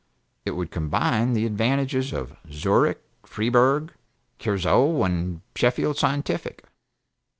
It would combine the advantages of Zurich, Freiburg, Creuzot and the Sheffield Scientific.